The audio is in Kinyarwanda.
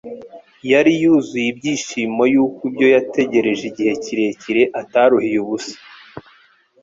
yari yuzuye ibyishimo yuko ibyo yategereje igihe kirekire ataruhiye ubusa.